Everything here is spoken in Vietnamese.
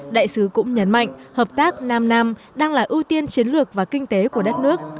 đại sứ cũng nhấn mạnh hợp tác nam nam đang là ưu tiên chiến lược và kinh tế của đất nước